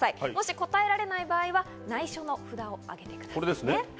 答えられない場合は内緒の札をあげてください。